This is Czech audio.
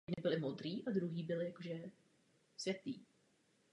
Páteční program byl plný živých hudebních vystoupení a módní performance.